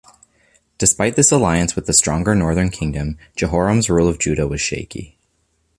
Despite this alliance with the stronger northern kingdom, Jehoram's rule of Judah was shaky.